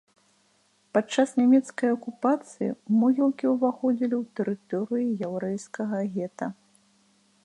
Падчас нямецкай акупацыі могілкі ўваходзілі ў тэрыторыю яўрэйскага гета.